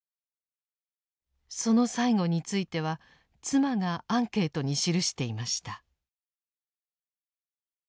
その最期については妻がアンケートに記していました。